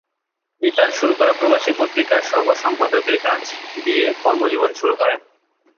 পিতার শুরু করা প্রবাসী পত্রিকার সহ-সম্পাদকের কাজ দিয়ে কর্মজীবন শুরু করেন।